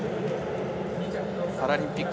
パラリンピック